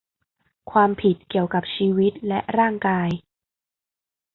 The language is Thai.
ความผิดเกี่ยวกับชีวิตและร่างกาย